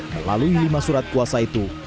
melalui lima surat kuasa itu